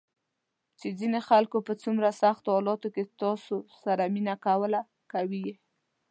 چې ځینو خلکو په څومره سختو حالاتو کې تاسو سره مینه کوله، کوي یې ~